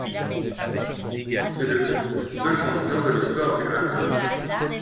C'est le de champion de l'histoire du Haka.